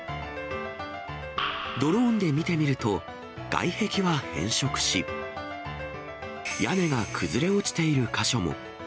ドローンで見てみると、外壁は変色し、屋根が崩れ落ちている箇所も。